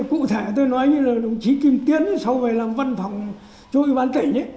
cụ thể tôi nói như là đồng chí kim tiến sau về làm văn phòng chủ yếu bán tỉnh ấy